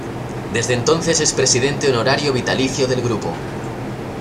Desde entonces es presidente honorario vitalicio del Grupo.